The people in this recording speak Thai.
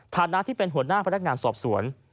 ฐานะที่เป็นหัวหน้าพนักงานสอบสวน